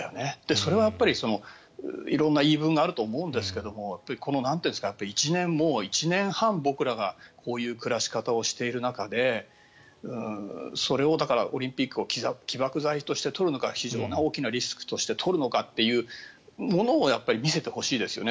それはやっぱり色んな言い分があると思うんですがこの１年、１年半僕らがこういう暮らし方をしている中でそれをオリンピックを起爆剤として取るのか非常に大きなリスクとして取るのかというのを見せてほしいですよね。